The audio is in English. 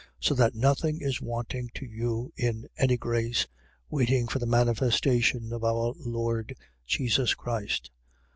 So that nothing is wanting to you in any grace, waiting for the manifestation of our Lord Jesus Christ.